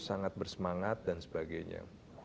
sangat bersemangat dan sebagainya